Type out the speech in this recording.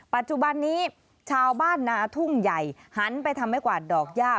ปัจจุบันนี้ชาวบ้านนาทุ่งใหญ่หันไปทำให้กวาดดอกย่า